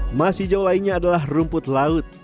emas hijau lainnya adalah rumput laut